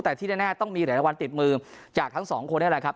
แต่ที่แน่ต้องมีหลายรางวัลติดมือจากทั้งสองคนนี่แหละครับ